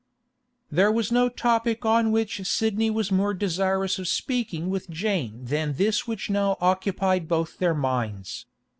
There was no topic on which Sidney was more desirous of speaking with Jane than this which now occupied both their minds.